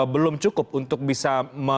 belum cukup untuk bisa